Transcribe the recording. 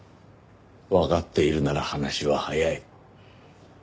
わかっているなら話は早い。